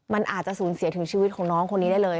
มันอาจจะสูญเสียถึงชีวิตของน้องคนนี้ได้เลย